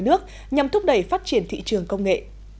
nước nhằm thúc đẩy phát triển thị trường công nghệ